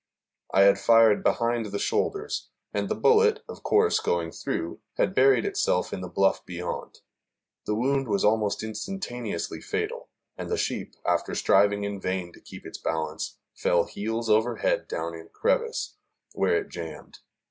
I had fired behind the shoulders, and the bullet, of course going through, had buried itself in the bluff beyond. The wound was almost instantaneously fatal, and the sheep, after striving in vain to keep its balance, fell heels over head down a crevice, where it jammed.